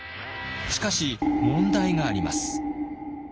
しかし問題があります。